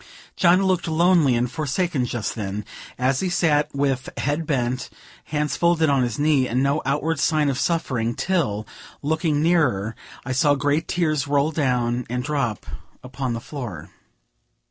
John looked lonely and forsaken just then, as he sat with bent head, hands folded on his knee, and no outward sign of suffering, till, looking nearer, I saw great tears roll down and drop upon the floor.